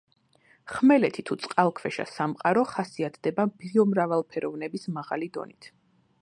ხმელეთი თუ წყალქვეშა სამყარო ხასიათდება ბიომრავალფეროვნების მაღალი დონით.